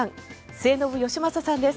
末延吉正さんです。